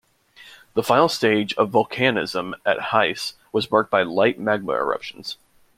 The final stage of volcanism at Heise was marked by "light" magma eruptions.